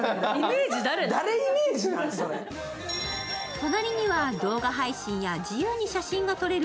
隣には動画配信や自由に写真が撮れる